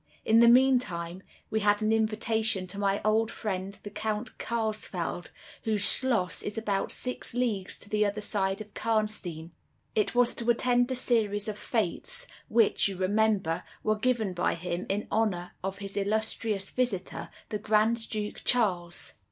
"In the meantime we had an invitation to my old friend the Count Carlsfeld, whose schloss is about six leagues to the other side of Karnstein. It was to attend the series of fetes which, you remember, were given by him in honor of his illustrious visitor, the Grand Duke Charles."